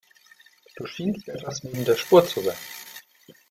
Du schienst etwas neben der Spur zu sein.